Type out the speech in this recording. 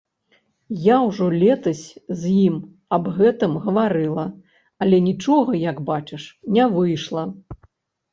Я ўжо летась з ім аб гэтым гаварыла, але нічога, як бачыш, не выйшла.